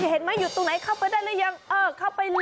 เห็นไหมอยู่ตรงไหนเข้าไปได้หรือยังเออเข้าไปเลย